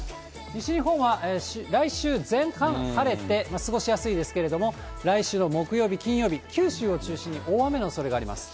西日本は来週前半晴れて、過ごしやすいですけれども、来週の木曜日、金曜日、九州を中心に大雨のおそれがあります。